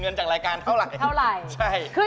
เงินจากรายการเท่าไหร่